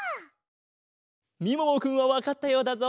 みももくんはわかったようだぞ。